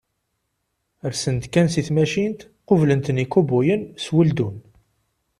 Rsen-d kan seg tmacint, qublen-ten-id ikubuyen s weldun.